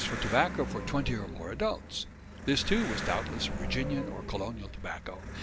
for tobacco for twenty or more adults. This too was doubtless Virginian or colonial tobacco.